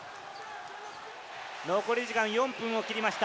残り時間４分を切りました。